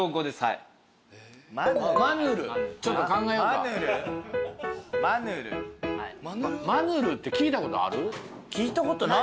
マヌルって聞いたことある？